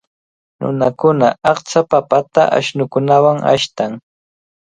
Nunakuna achka papata ashnukunawan ashtan.